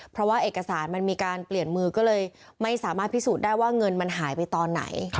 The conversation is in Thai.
เพราะว่าเอกสารมันมีการเปลี่ยนมือก็เลยไม่สามารถพิสูจน์ได้ว่าเงินมันหายไปตอนไหน